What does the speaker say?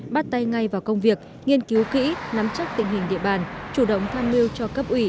bắt tay ngay vào công việc nghiên cứu kỹ nắm chắc tình hình địa bàn chủ động tham mưu cho cấp ủy